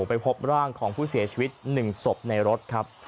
ไปพบร่างของผู้เสียชีวิต๑ศพในรถครับ